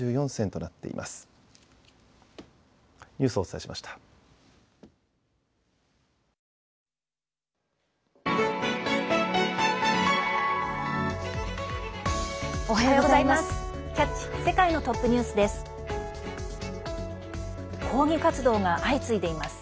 おはようございます。